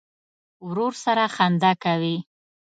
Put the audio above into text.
ورور سره خندا کوې.